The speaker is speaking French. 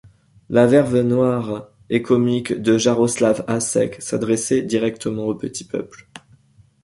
La verve noire et comique de Jaroslav Hašek s'adressait directement au petit peuple.